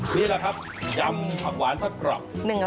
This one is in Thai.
นี่แหละครับยำผักหวานทอดกรอบ